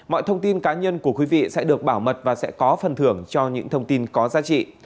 mọi thông tin cá nhân của quý vị sẽ được bảo mật và sẽ có phần thưởng cho những thông tin có giá trị